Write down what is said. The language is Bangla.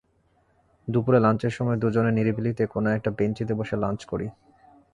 দুপুরে লাঞ্চের সময় দুজনে নিরিবিলিতে কোনো একটা বেঞ্চিতে বসে লাঞ্চ করি।